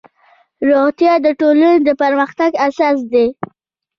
روغتیا د ټولنې د پرمختګ اساس دی